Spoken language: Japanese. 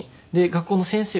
学校の先生